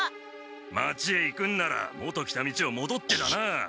町へ行くんなら元来た道をもどってだな。